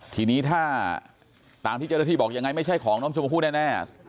ทีนี้ถ้าตามที่เจ้าหน้าที่บอกยังไงไม่ใช่ของน้องชมพู่แน่